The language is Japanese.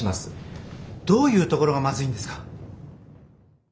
どういうところがまずいんですか。